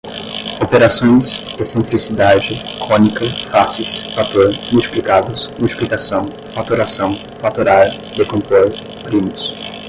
operações, excentrincidade, cônica, faces, fator, multiplicados, multiplicação, fatoração, fatorar, decompor, primos